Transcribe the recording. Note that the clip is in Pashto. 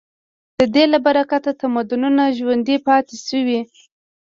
د دې له برکته تمدنونه ژوندي پاتې شوي.